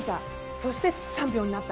そしてチャンピオンになった。